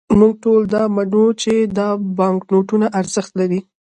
موږ ټول دا منو، چې دا بانکنوټونه ارزښت لري.